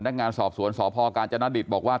นักงานสอบสวนสพกาญจนดิตบอกว่า